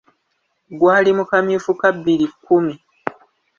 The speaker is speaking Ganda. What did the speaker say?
Gwali mu kamyufu ka bbiri kkumi.